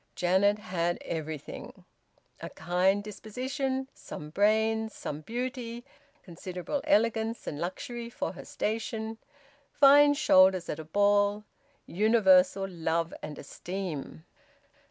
Janet had everything: a kind disposition, some brains, some beauty, considerable elegance and luxury for her station, fine shoulders at a ball, universal love and esteem.